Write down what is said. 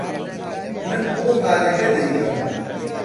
من بۆ پارەکە دەیکەم.